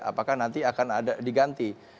apakah nanti akan diganti